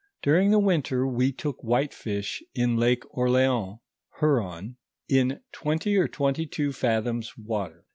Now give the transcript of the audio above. During the winter, wo took whitefish in Lake Orleans (Huron), in twenty or twenty two fathoms water.